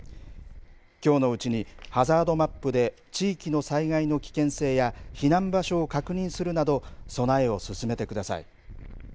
きょうのうちにハザードマップで地域の災害の危険性や避難場所を確認するなど備えを進めてください。